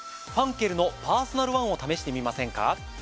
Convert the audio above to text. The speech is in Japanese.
ファンケルのパーソナルワンを試してみませんか？